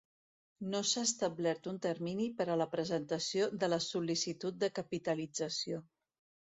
No s'ha establert un termini per a la presentació de la sol·licitud de capitalització.